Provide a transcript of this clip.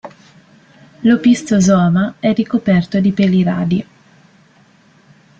L'opistosoma è ricoperto di peli radi.